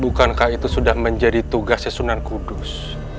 bukankah itu sudah menjadi tugasnya sunan kudus